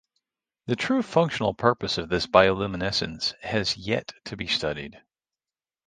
The true functional purpose of this bioluminescence has yet to be studied.